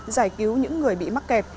giải cứu những người bị mắc kẹt